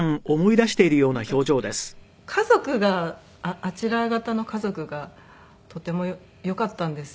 なんか家族があちら方の家族がとてもよかったんですよ。